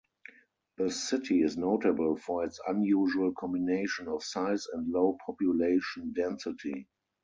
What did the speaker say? The city is notable for its unusual combination of size and low population density.